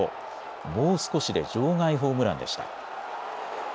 もう少しで場外ホームランでした。